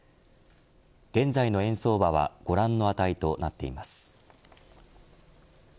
現在の円相場はご覧の値となっています。